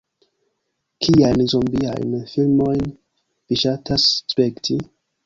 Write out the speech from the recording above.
Kiajn zombiajn filmojn vi ŝatas spekti?